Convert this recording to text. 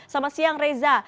selamat siang reza